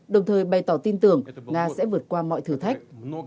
đồng thời bày tỏ tin tưởng nga sẽ vượt qua mọi thử thách